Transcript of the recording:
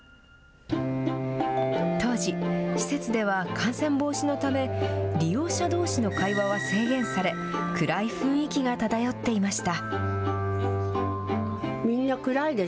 当時、施設では感染防止のため利用者どうしの会話は制限され暗い雰囲気が漂っていました。